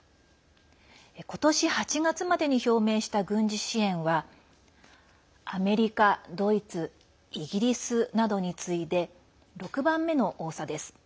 今年８月までに表明した軍事支援は、アメリカ、ドイツイギリスなどに次いで６番目の多さです。